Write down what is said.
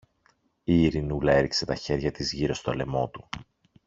Η Ειρηνούλα έριξε τα χέρια της γύρω στο λαιμό του.